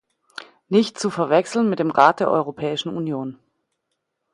Nicht zu verwechseln mit dem Rat der Europäischen Union.